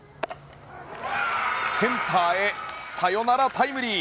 センターへサヨナラタイムリー。